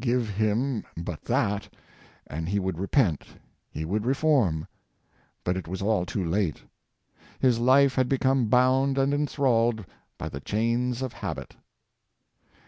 Give him but that, and he would repent — he would reform. But it was all too late! His life had become bound and en thralled by the chains of habit.